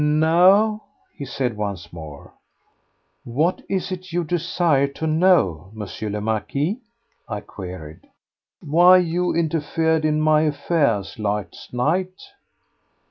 "Now!" he said once more. "What is it you desire to know, M. le Marquis?" I queried. "Why you interfered in my affairs last night?"